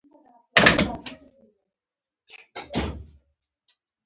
په پورتنۍ برخه کې هم سیخان اچول کیږي